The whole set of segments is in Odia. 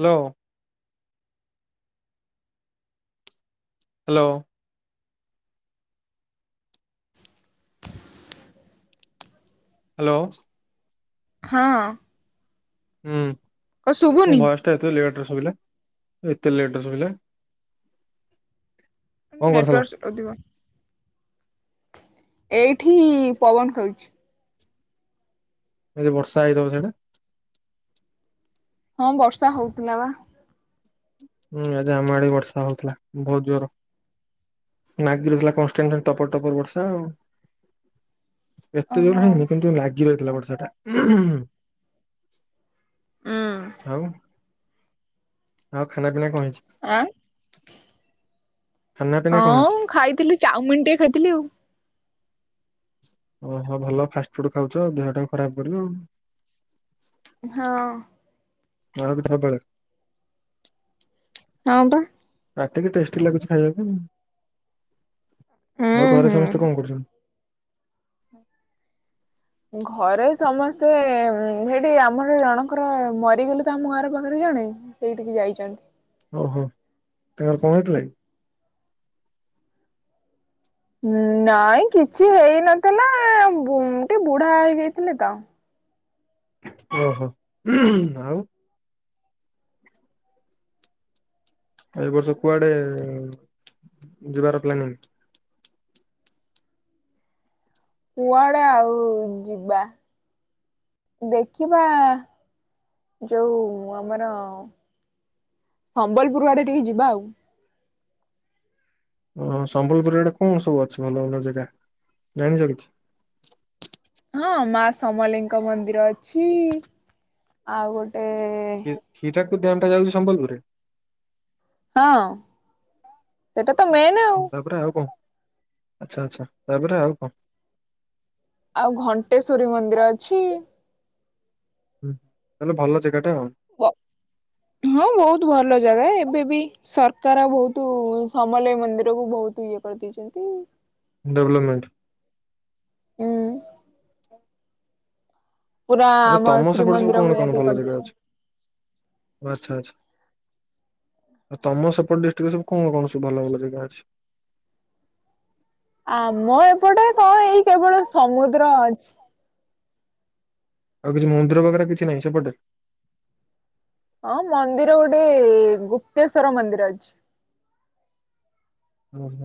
ହ୍ୟାଲୋ। ହ୍ୟାଲୋ। ହ୍ୟାଲୋ। ହଁ। ହୁଁ କ ମୁ ଶୁଭୁନି ବୟସ ଟେ ଏତେ ଲେଟେରେ ଶୋଇଲେ ଏତେ ଲେଟରେ ଶୁଭିଲେ। କଣ କରୁଥିଲ ନେଟେୱାର୍ [unintelligible] ଏଇଠି ପବନ ଖାଉଛି। କାଲି ବର୍ଷା ହେଇଥିବ ସେଆଡେ। ହଁ ବର୍ଷା ହଉଥିଲା ବା। ହୁଁ ଆଜି ଆମ ଆଡେ ବର୍ଷା ହଉଥିଲା ବହୁତ୍ ଜୋର। ନାଗି ରହୁଥିଲା କଷ୍ଟିଙ୍ଗ୍ ରେ ଟପର ଟପର ବର୍ଷା ଆଉ। ଏତେ ଜୋର ଓହୋ ହେଇନି କିନ୍ତୁ ଲାଗି ରହିଥିଲା ବର୍ଷାଟା। ଉଁ ଆଉ। ଆଉ ଖାନା ପିନା କଣ ହେଇଛି। ଆଁ। ଖାନା ପିନା ହଁ କଣ ହେଇଛି ମୁଁ ଖାଇଥିଲି ଚାଉମିନ୍‌ ଟିକେ ଖାଇଥିଲି ଆଉ। ଓହୋ ଭଲ ଫାଷ୍ଟଫୁଡ୍‌ ଖାଉଛ ଦେହ ଟାକୁ ଖରାପ୍ କରିବ ଆଉ। ହଁ। ଯାହା ବି ସବ୍ ବେଳେ। ହଁ ବା। ପାଟିକି ଟେଷ୍ଟେ ଲାଗୁଛି ଖାଇବାକୁ ଆଉ ହୁଁ ଘରେ ସମସ୍ତେ ହୁଁ କଣ କରୁଛନ୍ତି। ଘରେ ସମସ୍ତେ ସେଇଠି ଆମର ଜଣଙ୍କର ମରିଗଲେ ତ ଆମ ଘର ପାଖରେ ଜଣେ। ସେଇଠିକି ଯାଇଚନ୍ତି। ଓହୋ ତାଙ୍କର କଣ ହେଇଥିଲା କି। ନାଇଁ କିଛି ହେଇନଥିଲା ବୁ ଟିକେ ବୁଢା ହେଇ ଯାଇଥିଲେ ତ। ଓହୋ ଆଉ। ଏ ବର୍ଷ କୁଆଡେ ଯିବାର ପ୍ଲାନିଂ। କୁଆଡେ ଆଉ ଯିବା। ଦେଖିବା ଯୋଉ ଆମର ସମ୍ବଲପୁର ଆଡେ ଟିକେ ଯିବା ଆଉ। ଓ ସମ୍ବଲପୁର ଆଡେ କଣ ସବୁ ଅଛି ଭଲ ଭଲ ଜାଗା ଜାଣିଚ କିିଛି। ହଁ ମା ସମଲିଙ୍କ ମନ୍ଦିର ଅଛି ଆଉ ଗୋଟେ ହିରାକୁଦ୍ ଡ୍ୟାମ୍ ଟା ଯାଉଚି ସମ୍ବଲପୁରରେ। ହଁ ସେଟା ତ ମେନ୍ ଆଉ। ତାପରେ ଆଉ କଣ? ଆଚ୍ଛା ଆଚ୍ଛା ତାପରେ ଆଉ କଣ? ଆଉ ଘଣ୍ଟେଶ୍ଵରୀ ମନ୍ଦିର ଅଛି। ହୁଁ ତାଲେ ଭଲ ଜେଗାଟା ଆଉ। ହଁ ବହୁତ୍ ଭଲ ଜାଗା ଏବେ ବି ସରକାର ବହୁତ୍ ତୁ ସମଲେଇ ମନ୍ଦିର କୁ ବହୁତ୍ ଇଏ କରିଦେଇଚନ୍ତି। ଡେଭଲପମେଣ୍ଟ। ଉଁ ପୁରା ଆଉ ଆମ ତମ ସେପଟେ ସବୁ ଶ୍ରୀମନ୍ଦିର କଣ ଭଳିଆ କଣ ଟିକେ ଭଲ ଜାଗା ଅଛି କରିଦେଇଛନ୍ତି। ଆଚ୍ଛା ଆଛା। ଆ ତମ ସେପଟେ ଡିଷ୍ଟ୍ରିକ୍ ରେ ସବୁ କଣ କଣ ସବୁ ଭଲ ଭଲ ଜେଗା ଅଛି। ଆମ ଏପଟେ କଣ ଏଇ କେବଳ ସମୁଦ୍ର ଅଛି। ଆଉ କିଛି ମନ୍ଦିର ବଗରେ କିଛି ନାହିଁ ସେପଟେ। ହଁ ମନ୍ଦିର ଗୋଟେ ଗୁପ୍ତେଶ୍ଵର ମନ୍ଦିର ଅଛି। ଓହୋ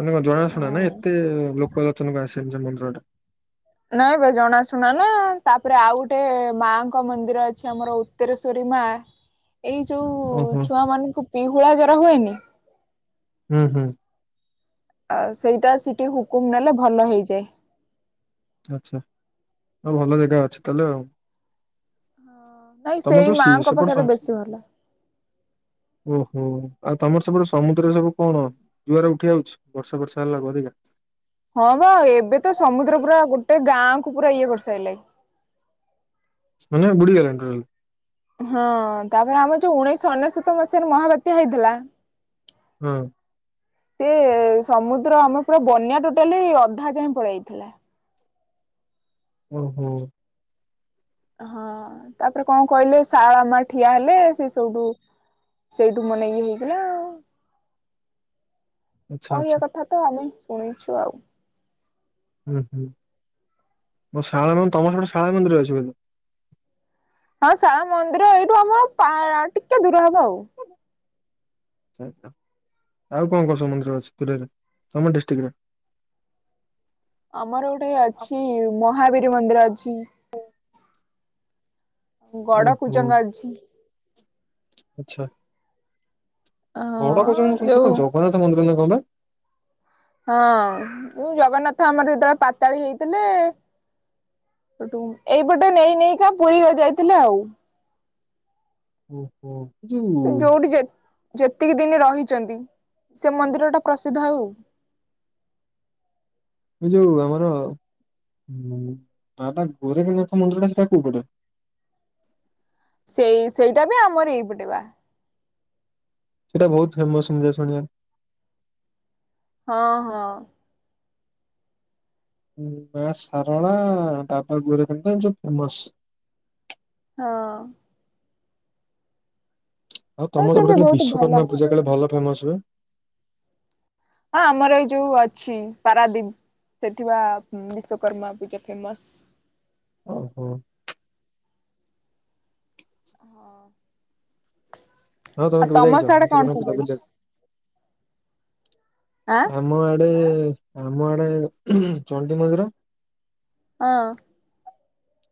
ମାନେ କଣ ଜଣାଶୁଣା ନା ଏତେ ଲୋକ ଲୋଚନକୁ ଆସିନି ସେ ମନ୍ଦିର ଟା। ନାଇଁବେ ଜଣା ଶୁଣା ନା ତାପରେ ଆଉ ଗୋଟେ ମାଙ୍କ ମନ୍ଦିର ଅଛି ଆମର ଉତ୍ତରେଶ୍ଵରୀ ମା। ହ ଏଇ ଯୋଉ ଛୁଆ ମାନଙ୍କୁ ପିହୁଳା ଜର ହୁଏନି। ହୁଁ ହୁଁ। ଆଉ ସେଇଟା ସିଟି ହୁକୁମ ନେଲେ ଭଲ ହେଇଯାଏ। ଆଚ୍ଛା ଆଉ ଭଲ ଜାଗା ଅଛି ତାହେଲେ ଆଉ। ନାଇଁ ସେଇ ମାଆଙ୍କ ପାଖରେ ବେଶୀ ଭଲ। ଓ ହୋ ଆଉ ତମର ସେପଟେ ସମୁଦ୍ରରେ ସବୁ କଣ ଜୁଆର ଉଠି ଆଉଛି ବର୍ଷା ଫର୍ଷା ହେଲାରୁ ଅଧିକା? ହଁ ବା ଏବେ ତ ସମୁଦ୍ର ପୁରା ଗୋଟେ ଗାଁ କୁ ପୁରା ଇଏ କରସାଇଲାଇ। ମାନେ ବୁଡିଗଲାଣି ଟୋଟାଲ? ହଁ ତାପରେ ଆମର ଯୋଉ ଉଣେଇଶ ଅନେଶୋତ ମସିହାରେ ମହାବାତ୍ୟା ହେଇଥିଲା। ହଁ। ସିଏ ସମୁଦ୍ର ଆମ ପୁରା ବନ୍ୟା ଟୋଟାଲି ଅଧା ଯାଏଁ ପଳେଇ ଥିଲା। ଓହୋ। ହଁ ତାପରେ କଣ କହିଲେ ଶାରଳା ମାଆ ଠିଆ ହେଲେ ସେ ସେଉଟୁ ସେଇଠୁ ମାନେ ଇଏ ହେଇଥିଲା ଆଉ। ଆଚ୍ଛା କହିଆ ଆଚ୍ଛା କଥା ତ ଆମେ ଶୁଣିଛୁ ଆଉ। ଉଁ ହୁଁ ଓ ଶାରଳା ମାଆ ତମର ସେପଟେ ଶାରଳା ମନ୍ଦିର ଅଛି ବୋ ହଁ ଶାରଳା ମନ୍ଦିର ଏଇଠୁ ଆମର ପା ଟିକେ ଦୂର ହବ ଆଉ। ଆଚ୍ଛା ଆଚ୍ଛା ଆଉ କଣ କଣ ସବୁ ମନ୍ଦିର ଅଛି [unintelligible] ତମ ଡିଷ୍ଟ୍ରିକ୍ ରେ? ଆମର ଗୋଟେ ଅଛି ମହାବୀର ମନ୍ଦିର ଅଛି। ଗଡ ଓହୋ କୁଜଙ୍ଗ ଅଛି। ଆଚ୍ଛା ଗଡ କୁଜଙ୍ଗ ମୁଁ ହଁ ଶୁଣିଥିଲି ଯୋଉ କଣ ଜଗନ୍ନାଥ ମନ୍ଦିର ନା କଣ ବା? ହଁ ଉ ଜଗନ୍ନାଥ ଆମର ଯେତେବେଳେ ପାତାଳି ହେଇଥିଲେ ଏଇଟୁ ଏଇ ପଟେ ନେଇ ନେଇକା ପୁରୀ ଯାଇଥିଲେ ଆଉ। ଓହୋ ଏ ଯୋଉ ଯୋଉଠି ଯେ ଯେତିକି ଦିନି ରହିଚନ୍ତି ସେ ମନ୍ଦିର ଟା ପ୍ରସିଦ୍ଧ ଆଉ। ଏ ଯୋଉ ଆମର ଉଁ ବାବା ଗୋରେଖନାଥ ମନ୍ଦିର ଟା ସେଇଟା କୋଉପଟେ? ସେଇ ସେଇଟା ବି ଆମର ଏଇପଟେ ବା। ଏଇଟା ବହୁତ ଫେମସ ଶୁଂଜା ଶୁଣିଆ। ହଁ ହଁ। ହୁଁ ହୁଁ ମାଆ ସାରଳା ବାବା ଗୋରେଖନାଥ ଯୋଉ ଫେମସ। ହଁ। ଆଉ ତମ ସେ ବି ସେପଟେ କାଳେ ବହୁତ ଭଲ ବିଶ୍ଵକର୍ମା ପୂଜା କାଳେ ଭଲ ଫେମସ ହୁଏ। ହଁ ଆମର ଏଇ ଯୋଉ ଅଛି ପାରାଦ୍ଵୀପ। ସେଠି ବା ଉଁ ବିଶ୍ଵକର୍ମା ପୂଜା ଫେମସ। ଓହୋ। ହଁ ତମେ ଆଉ କେବେ ଯାଇଛ ତମ ସାଡେ ବିଶ୍ଵକର୍ମା କଣ ପୂଜା ସବୁ ଅଛି? ବୁଲିବାକୁ। ଆଁ ଆମ ଆଡେ ଆମ ଆଡେ ହୁଁ ଚଣ୍ଡି ମନ୍ଦିର। ହଁ।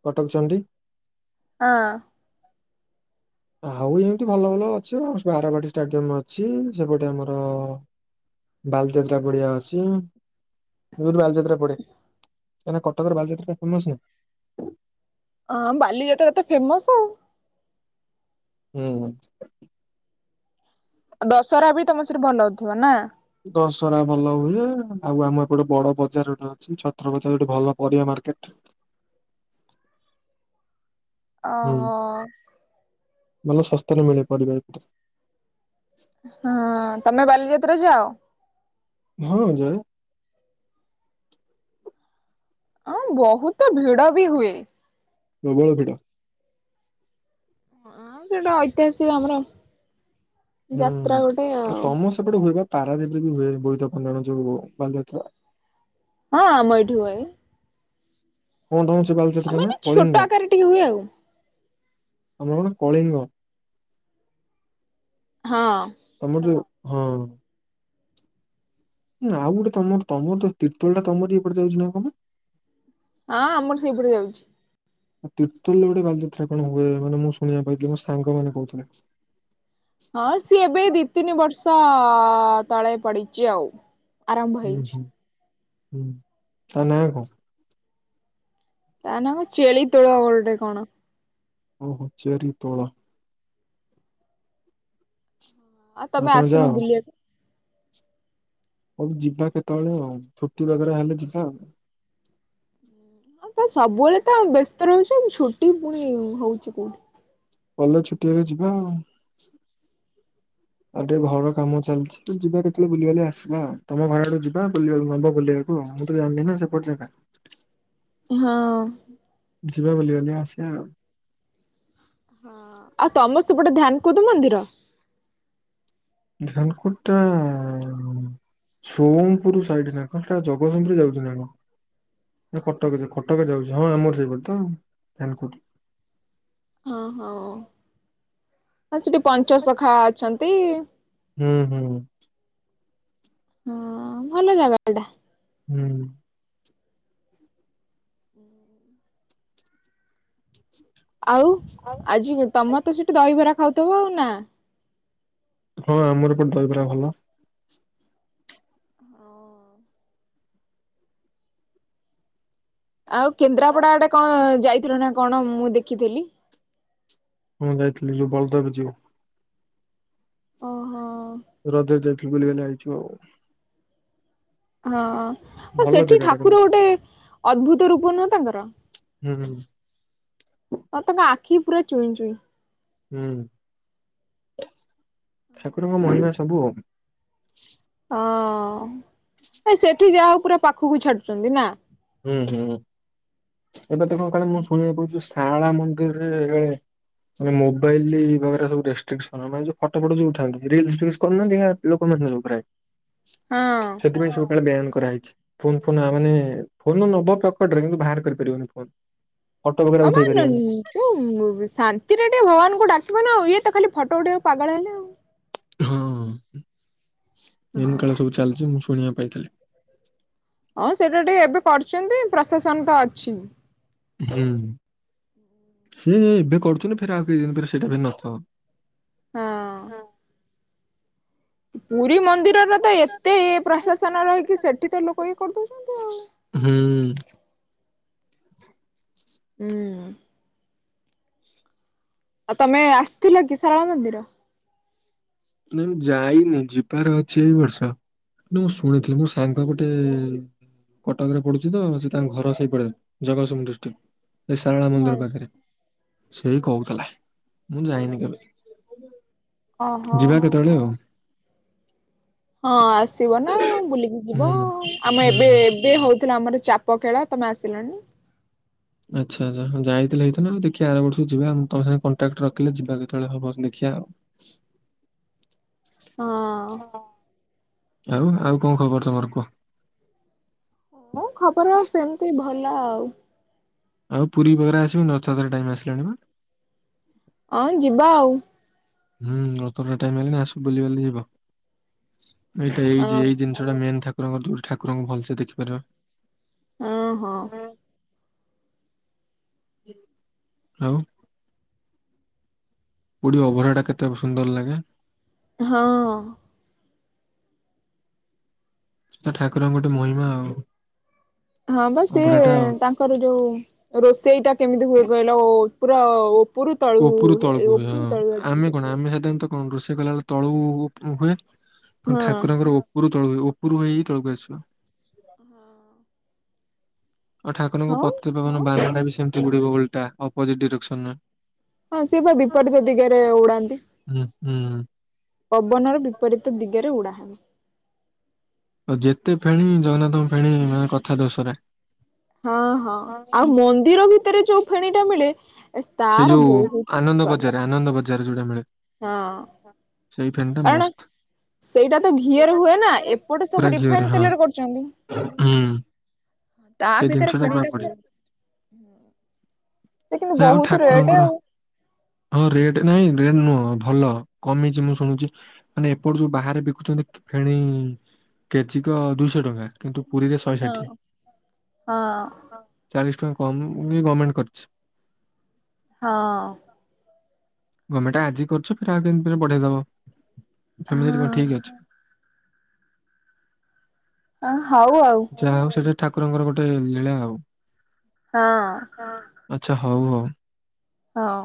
କଟକ ଚଣ୍ଡି। ହଁ। ଆଉ ଏମତି ଭଲ ଭଲ ଅଛି [unintelligible] ବାରବାଟୀ ଷ୍ଟାଡିୟମ ଅଛି ସେପଟେ ଆମର ବାଲିଯାତ୍ରା ପଡିଆ ଅଛି। ଯୋଉଟି ବାଲିଯାତ୍ରା ପଡେ କାଇଁନା କଟକରେ ବାଲିଯାତ୍ରା ଟା ଫେମସ ନା। ହଁ, ବାଲିଯାତ୍ରା ତ ଫେମସ୍ ଆଉ। ହୁଁ। ଦଶହରା ବି ତମ ସେଠି ଭଲ ହଉଥିବ ନା? ଦଶହରା ଭଲ ହୁଏ। ଆଉ ଆମ ଏ ପଟେ ବଡ ବଜାର ଗୋଟେ ଅଛି ଛତ୍ରବଜାର, ଗୋଟେ ଭଲ ପରିବା ମାର୍କେଟ୍। ଅ ହୁଁ ହ। ଭଲ ଶସ୍ତା ରେ ମିଳେ ପରିବା ଏପଟେ। ହଁ, ତମେ ବାଲିଯାତ୍ରା ଯାଅ? ହଁ, ଯାଏ। ଅଁ ବହୁତୁ ଭିଡ ବି ହୁଏ। ପ୍ରବଳ ଭିଡ଼। ହଁ ସେଟା ଐତିହାସିକ ଆମର, ଯାତ୍ରା ଗୋଟେଁ ଆଉ। ଏପଟେ ହୁଏ ବା ପାରଦୀପ୍ ରେ ବି ହୁଏ। ବୋଇତ ବନ୍ଦାଣ ଯୋଉ ବାଲିଯାତ୍ରା। ହଁ, ଆମ ଏଠି ହୁଏଇ। କଣ ତମ ସେ ବାଲିଯାତ୍ରା ଆମେ ନାଁ? ଏଠି ଛୋଟ କଳିଙ୍ଗ! ଆକାରରେ ଟିକେ ହୁଏ ଆଉ। ଆମର ଣା କଳିଙ୍ଗ। ହଁ। ତମର ଯୋଉ ହଁ। ନା, ଆଉ ଗୁଟେ ତମର, ତମର ତ ତିର୍ତୋଲ ଟା ତମରି ଏପଟେ ଯାଉଛି ନା କଣ ବା? ଆଁ ଆମର ସେଇପଟେ ଯାଉଛି। ତିର୍ତୋଲ ରେ ଗୋଟେ ବାଲିଯାତ୍ରା କଣ ହୁଏ? ମାନେ ମୁଁ ଶୁଣିବାକୁ ପାଇଥିଲି। ମୋ ସାଙ୍ଗ ମାନେ କହୁଥିଲେ। ହଁ, ସିଏ ଏବେ ଦି ତିନି ବର୍ଷ ତଳେ ପଡିଚି ଆଉ। ଆରମ୍ଭ ଉଁ ହେଇଛି ହୁଁ, ହୁଁ ତା ନାଁ କଁ? ତା ନା କଁ ଚେଳି ତୋଳ ଗୋଲ୍ ଟେ କଣ? ଓହୋ! ଚେରି ତୋଳ ଆଉ ତମେ ଆସୁନ ବୁଲିଆକୁ। ହଉ ଯିବା କେତେବେଳେ ଆଉ। ଛୁଟି ବଗେରା ହେଲେ ଯିବା ଆଉ। ହଁ ତ ସବୁବେଳେ ତ ବ୍ୟସ୍ତ ରହୁଛ। ଛୁଟି ପୁଣି ହଉଛି କୋଉଠି? କଲେଜ ଛୁଟିହେଲେ ଯିବା ଆଉ। ଆଉ ଟିକେ ଘର କାମ ଚାଲିଚି। ତ ଯିବା କେତେବେଳେ ବୁଲି ବାଲି ଆସିବା ଆଉ। ତମ ଘର ଆଡୁ ଯିବା ବୁିଲିବାକୁ ନବ ବୁଲିବାକୁ ଆଉ। ମୁଁ ତ ଜାଣିନି ନା ସେପଟ ଜାଗା ହଁ। ଯିବା ବୁଲିବାଲି ଆସିଆ ଆଉ। ହଁ ଆଉ ତମ ସେପଟେ ଧ୍ୟାନ କୁଦ୍ ମନ୍ଦିର? ଧ୍ୟାନକୁଦ୍ ଟା ସୋଂପୁର ସାଇଡ୍ ନା କଣ? ହେଟା ଜଗତସିଂହପୁର ଯାଉଛି ନା କଣ? କଟକ ଯା କଟକରେ ଯାଉଛି ହଁ, ଆମର ସେପଟେ ତ ଆଉ ଧ୍ୟାନକୁଟ୍। ହଁ, ହଁ, ଓ ହଁ ସେଠି ପଞ୍ଚସଖା ଅଛନ୍ତି-ଇ। ହୁଁ, ହୁଁ। ହଁ, ଭଲ ଜାଗା ଟା। ହୁଁ। ହୁଁ [inaudible] ଆଉ, ଆଜି ତମ ତ ସେଠି ଦହିବରା ଖାଉଥବ ଆଉ ନା! ହଁ, ଆମର ଏପଟେ ଦହିବରା ଭଲ। ଓ। ଆଉ କେନ୍ଦ୍ରାପଡ଼ା ଆଡେ କଣ ଯାଇଥିଲୁ ନା କଣ ମୁଁ ଦେଖିଥିଲି? ହୁଁ ଯାଇଥିଲି। ଯଉ ବଳଦେବ ଯିଉ। ଓହୋ! ରଜ ରେ ଯାଇଥିଲୁ ବୁଲିବାଲି ଆଇଚୁ ଆଉ। ହଁ ହଁ ଭଲ ସେଠି ଜାଗାଟା କିନ୍ତୁ ଠାକୁର ଗୋଟେ ଅଦ୍ଭୁତ ରୂପ ନୁହଁ ତାଙ୍କର। ହୁଁ। ଆଉ ତାଙ୍କ ଆଖି ବି ପୁରା ଚୁଇଁ ଚୁଇଁ। ହୁଁ ଠାକୁରଙ୍କ ମହିମା ସବୁ ଆଉ। ହଁ ଏ ସେଠି ଯାହା ହଉ ପୁରା ପାଖକୁ ଛାଡୁଛନ୍ତି ନା। ହୁଁ ହୁଁ ଏବେ ତ କଁ କଳେ ମୁଁ ଶୁଣିବାକୁ ପାଉଛି ଶାରଳା ମନ୍ଦିରରେ। ମାନେ ମୋବାଇଲ ବଗେରା ସବୁ ରେଷ୍ଟ୍ରିକସନ ମାନେ ଯୋଉ ଫଟ ଫଟ ଉଠାନ୍ତି ରିଲସ୍ ଫିଲସ୍ କରୁ ନାହାନ୍ତି। ଲୋକମାନ ଯୋଉ ପ୍ରାୟ ହଁ ସେଥିପାଇଁ ସବୁ କାଳେ ବ୍ୟାନ୍ କରା ହେଇଛି ଫୋନ ଫୋନ୍ ଆ ମାନେ। ଫୋନ ନବ ପକେଟ ରେ କିନ୍ତୁ ବାହାର କରି ପାରିବନି ଫୋନ ଫୋଟ ବଗେରା ଉଠେଇ ପାରିବନି। ଇଏ ଉଁ ବି ଶାନ୍ତିରେ ଟିକେ ଭବାନଙ୍କୁ ଡାକିବ ନା ଆଉ ଇଏ ତ ଖାଲି ଫଟୋ ଉଠେଇକୁ ପାଗଳ ହେଲେ ଆଉ। ହଁ ଏମତି ହଁ କାଳେ ସବୁ ଚାଲିଛି ମୁଁ ଶୁଣିବା ପାଇଥିଲି। ହଁ ସେଇଟା ଟିକେ ଏବେ କରୁଛନ୍ତି ପ୍ରଶାସନ ତ ଅଛି। ହୁଁ ସେ ଏ ଏବେ କରୁଛନ୍ତି ଫରେ ଆଉ କେଇ ଦିନ ପରେ ସେଇଟା ବି ନଥିବ। ହଁ। ପୁରୀ ମନ୍ଦିରର ତ ଏତେ ପ୍ରଶାସନ ରହିକି ସେଠି ତ ଲୋକ ଇଏ କରି ଦଉଛନ୍ତି ଆଉ। ହୁଁ। ଉଁ। ଆଉ ତମେ ଆସିଥିଲ କି ଶାରଳା ମନ୍ଦିର। ନାଇଁ ମୁଁ ଯାଇନି ଯିବାର ଅଛି ଏଇ ବର୍ଷ। କିନ୍ତୁ ମୁଁ ଶୁଣିଥିଲି ମୋ ସାଙ୍ଗ ଗୋଟେ। କଟକ ରେ ପଡୁଛି ତ ସେ ତାଙ୍କ ଘର ସେଇ ପଟରେ ଜଗତସିଂହ ପୁର ଡିଷ୍ଟିକ୍। ଏ ଶାରଳା ହଁ ମନ୍ଦିର ପାଖରେ ସେଇ କହୁଥିଲା ମୁଁ ଯାଇନି କେବେ। ଓହୋ। ଯିବା କେତେବେଳେ ଆଉ। ହଁ ଆସିବ ନା ବୁଲିକି ଯିବ ହୁଁ ଆମ ହୁଁ। ଏବେ ଏବେ ହଉଥିଲା ଆମର ଚାପ୍। ପ ଖେଳ ତମେ ଆସିଲନି। ଆଚ୍ଛା ଆଚ୍ଛା ଯାଇଥିଲେ ହେଇଥାନ୍ତା ଦେଖିଆ ଆର ବର୍ଷ କୁ ଯିବା ମୁଁ ତମ ସାଙ୍ଗ କଣ୍ଟାକ୍ଟ ରଖିଲେ ଯିବା କେତେବେଳେ ହବ ଦେଖିବା ଆଉ। ହଁ [inaudible] ଆଉ ଆଉ କଁ ଖବର ତମର କୁହ। ହଁ ଖବର ଆଉ ସେମିତି ଭଲ ଆଉ। ଆଉ ପୁରୀ ବଗେରା ଆସିବନି ରଥ ଯାତ୍ରା ଟାଇମ ଆସିଲାଣି ବା। ହଁ ଯିବା ଆଉ। ହୁଁ ରଥ ଯାତ୍ରା ଟାଇମ୍ ଆଇଲିଣି ଆସ ବୁଲି ବାଲି ଯିବ ଏଇଟା ଏଇ ହଁ ଏଇ ଜିନିଷଟା ମେନ ଠାକୁ ଠାକୁରଙ୍କ ଦୁରି ଠାକୁରଙ୍କୁ ଭଲସେ ଦେଖିପାରିବ। ଅଁ ହଁ। ଆଉ। ପୁରୀ ଯୋଉ ଅଭଡା ଟା କେତେ ସୁନ୍ଦର ଲାଗେ। ହଁ। ସେଟା ଠାକୁରଙ୍କ ଗୋଟେ ମହିମା ଆଉ। ହଁ ବା ସିଏ ଅଭଢାଟା ଆଉ। ତାଙ୍କର ଯୋଉ ରୋଷେଇଟା କେମିତି ହୁଏ କହିଲ ଓ ପୁରା ଓ ଉପରୁ ତଳୁ ଉପରୁ ତଳକୁ ହୁଏ ହଁ ଉପରୁ ତଳୁ ଆମେ ଆଗେ କଣ ଆସେ। ଆମେ ସାଧାରଣତଃ କଣ ରୋଷେଇ କଲାବେଳେ ତଳୁ ଉପ୍ ହୁଏ କିନ୍ତୁ ହଁ ଠାକୁରଙ୍କର ଉପୁ ଉପରୁ ତଳୁ କୁ ଉପରୁ ହେଇ ହେଇ ତଳକୁ ଆସିବ। ହଁ। ଆଉ ଠାକୁରଙ୍କୁ ହଁ ପତିତପା ବନ ବାନାଟା ବି ସେମିତି ଉଡିବ ଓଲଟା ଅପୋଜିଟ ଡିରେକ୍ସନରେ। ହଁ ସିଏ ପା ବିପରୀତ ଦିଗରେ ଉଡାନ୍ତି। ହୁଁ ହୁଁ ପବନର ବିପରୀତ ଦିଗରେ ଉଡା ହବ। ଆଉ ଯେତେ ଫେଣୀ ଜଗନ୍ନାଥଙ୍କ ଫେଣୀ ମାନେ କଥା ଦୋସରା। ହଁ ହଁ ଆଉ ମନ୍ଦିର ଭିତରେ ଯୋଉ ଫେଣୀ ଟା ମିଳେ ସେ ତାର ଯୋଉ ବହୁତ ଆନନ୍ଦ ସ୍ଵାଦ ବଜାର ଆନନ୍ଦ ବଜାରେ ଯୋଉଟା ମିଳେ। ହଁ। ସେଇ ଫେଣୀଟା କାରଣ ମସ୍ତ‌। ସେଇଟା ତ ଘିଅରେ ହୁଏନା, ଏପଟେ ପୁରା ସବୁ ଘିଅରେ ରିଫାଇନ ହଁ ତେଲରେ କରୁଛନ୍ତି। ହୁଁ ତା ସେଇ ଜିନିଷ ଭିତରେ ଟା ପୁରା ଫେଣିଟା [inaudible] ସେ ବଢିଆ। କିନ୍ତୁ ଯାହା ହଉ ବହୁତ ରେଟ ଠାକୁରଙ୍କର ଆଉ। ହଁ ରେଟ୍ ନାଇଁ, ରେଟ ନୁହଁ ଭଲ କମିଛି ମୁଁ ଶୁଣୁଛି। ମାନେ ଏପଟେ ଯୋଉ ବାହାରେ ବିକୁଛନ୍ତି ଫେଣି କେଜିକ ଦୁଇଶହ ଟଙ୍କା। କିନ୍ତୁ ପୁରୀରେ ଶହେ ଷାଠିଏ। ହଁ। ହଁ। ଚାଳିଶ ଟଙ୍କା କମ ବି ଗମେଣ୍ଟ କରିଛି। ହଁ। ଗମେଣ୍ଟ ଆଜି କରୁଛ ଫେର୍ ଆଉ କେଇଦିନ ପରେ ବଢେଇ ଦବ ସେମିତି କିଛି କଣ ଠିକ ଅଛି? ଆ ହଉ ଆଉ। ଯାହା ହଉ ସେଟା ଠାକୁରଙ୍କର ଗୋଟେ ଲୀଳା ଆଉ। ହଁ। ଆଚ୍ଛା ହଉ ହଉ। ହଁ।